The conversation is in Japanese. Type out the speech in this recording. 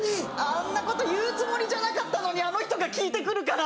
あんなこと言うつもりじゃなかったのにあの人が聞いてくるから！